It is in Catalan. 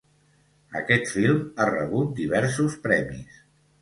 Aquest film ha rebut diversos premis.